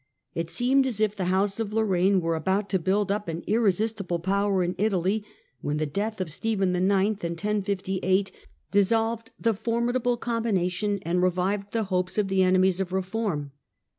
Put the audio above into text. It seemed as if the house of Lorraine were about to build up an irresistible power in Italy, when the death of Stephen IX. in 1058 dissolved the formidable combina tion, and revived the hopes of the enemies of reform.